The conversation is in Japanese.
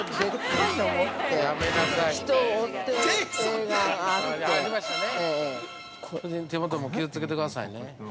◆夫人、手元も気をつけてくださいね。